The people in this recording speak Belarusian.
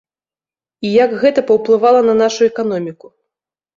І як гэта паўплывала на нашу эканоміку?